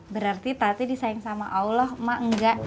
berarti tati disayang sama allah mak enggak